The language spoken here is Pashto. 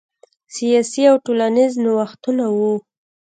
سیاسي او ټولنیز نوښتونه وو.